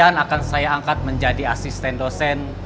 akan saya angkat menjadi asisten dosen